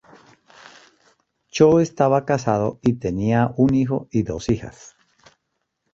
Cho estaba casado y tenía un hijo y dos hijas.